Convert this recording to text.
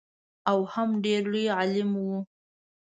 او هم ډېر لوی عالم و.